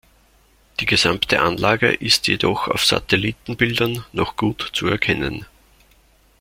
Die gesamte Anlage ist jedoch auf Satellitenbildern noch gut zu erkennen.